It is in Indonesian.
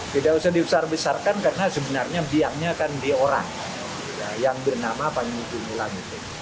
tidak usah dibesar besarkan karena sebenarnya diamnya akan diorang yang bernama panji gumilang